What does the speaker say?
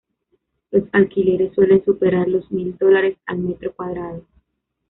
Los alquileres suelen superar los mil dólares al metro cuadrado.